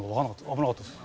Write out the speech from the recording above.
危なかったです。